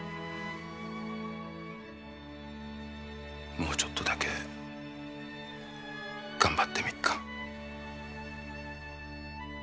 もうちょっとだけ頑張ってみっか。